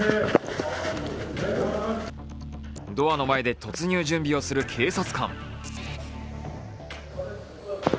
ドアの前で突入準備をする警察官。